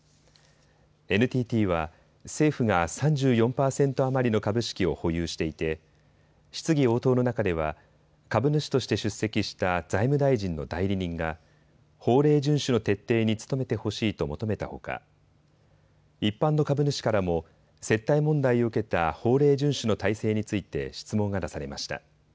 ＮＴＴは政府が３４％余りの株式を保有していて質疑応答の中では株主として出席した財務大臣の代理人が法令順守の徹底に努めてほしいと求めたほか一般の株主からも接待問題を受けた法令順守の体制について質問が出されました。